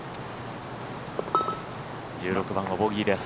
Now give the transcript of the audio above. １６番はボギーです。